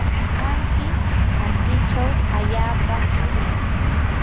ampi ampichaw allaapa shuylam.